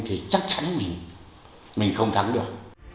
thì chắc chắn mình không thắng được